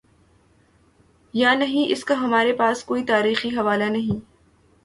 یانہیں، اس کا ہمارے پاس کوئی تاریخی حوالہ نہیں۔